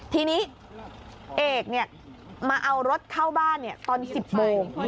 ทีนี้เอกมาเอารถเข้าบ้านตอน๑๐โมง